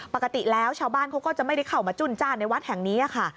ปกติแล้วชาวบ้านเขาก็จะไม่ได้เข้ามาจุ้นจ้านในวัดแห่งนี้ค่ะ